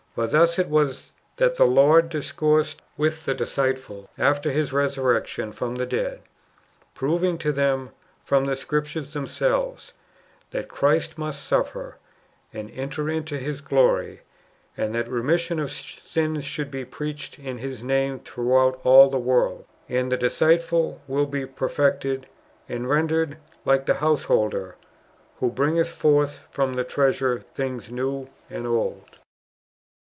For thus it was that the Lord discoursed with the disciples after His resurrection from the dead, proving to them from the Scriptures themselves " that Christ must suffer, and enter into His glory, and that remission of sins should be preached in His name throughout all the world."* And the disciple will be perfected, and [rendered] like the householder, " who briniieth forth from his treasure thino s new and old."